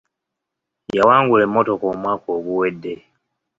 Yawangula emmotoka omwaka oguwedde.